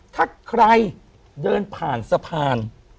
ถ้าใครเดินผ่านสะพาน